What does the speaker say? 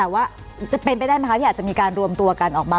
ว่าจะเป็นไปได้ไหมคะที่อาจจะมีการรวมตัวกันออกมา